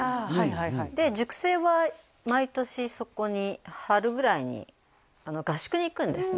はいはいで塾生は毎年そこに春ぐらいに合宿に行くんですね